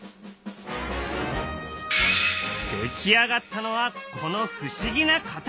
出来上がったのはこの不思議な形。